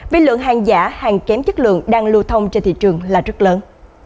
vì lượng hàng giả hàng kém chất lượng đang lưu thông trên thị trường là rất lớn